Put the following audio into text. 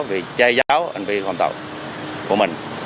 vì trai giáo anh viên hoàng tàu của mình